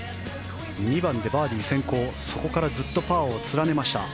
２番でバーディー先行そこからずっとパーを連ねました。